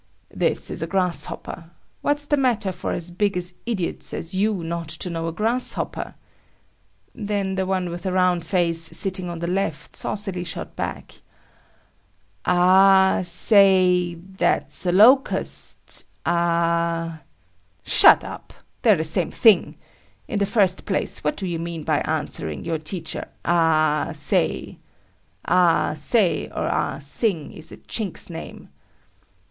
"This is a grasshopper. What's the matter for as big idiots as you not to know a grasshopper." Then the one with a round face sitting on the left saucily shot back: "A ah say, that's a locust, a ah——." "Shut up. They're the same thing. In the first place, what do you mean by answering your teacher 'A ah say'? Ah Say or Ah Sing is a Chink's name!"